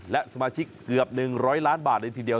และสมาชิกเกือบ๑๐๐ล้านบาทเลยทีเดียว